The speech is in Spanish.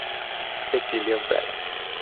Se exilió en Praga.